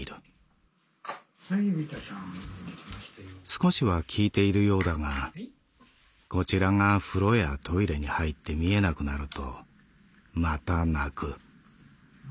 「少しは効いているようだがこちらが風呂やトイレに入って見えなくなるとまた鳴く。